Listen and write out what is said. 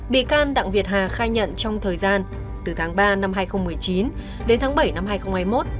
bị can đặng việt hà khai nhận trong thời gian từ tháng ba năm hai nghìn một mươi chín đến tháng bảy năm hai nghìn hai mươi một